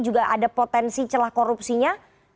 juga ada potensi celah korupsinya